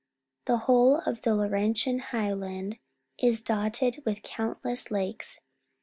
The whole of the Laurentian High land is dotted with countless lakes.